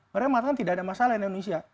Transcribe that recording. mereka katakan tidak ada masalah indonesia